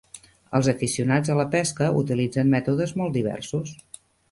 Els aficionats a la pesca utilitzen mètodes molt diversos.